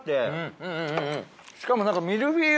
しかも何か。